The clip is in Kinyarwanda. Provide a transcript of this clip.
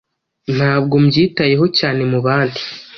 Ntabwo mbyitayeho cyane mubandi